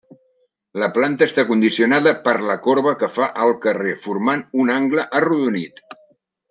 La planta està condicionada per la corba que fa al carrer, formant un angle arrodonit.